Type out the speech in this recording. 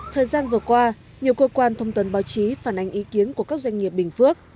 thời gian vừa qua nhiều cơ quan thông tấn báo chí phản ánh ý kiến của các doanh nghiệp bình phước